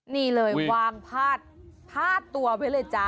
นี่เลยวางพาดพาดตัวไว้เลยจ๊ะ